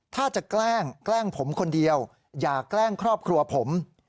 ถ้าจะแกล้งแกล้งผมคนเดียวอย่าแกล้งครอบครัวผม